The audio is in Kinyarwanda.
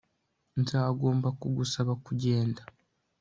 Nzagomba kugusaba kugenda